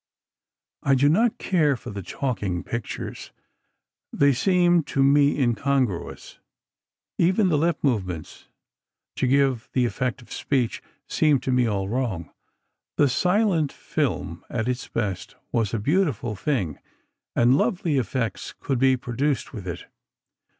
"I do not care for the talking pictures. They seem to me incongruous. Even the lip movements, to give the effect of speech, seemed to me all wrong. The silent film at its best was a beautiful thing, and lovely effects could be produced with it.